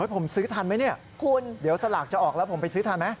ผมซื้อทันไหมเนี่ยคุณเดี๋ยวสลากจะออกแล้วผมไปซื้อทันไหม